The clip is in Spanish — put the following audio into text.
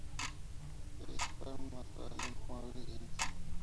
State Farm Mutual Automobile Ins.